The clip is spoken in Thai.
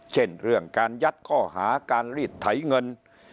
เช่นเรื่องการยัดข้อหาการรีดไถเงิน